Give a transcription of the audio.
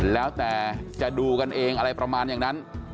แล้วแต่จะดูกันเองอะไรประมาณอย่างนั้น